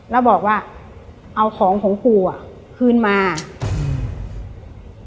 แล้วบอกว่าเอาของของปู่อ่ะคืนมาอืม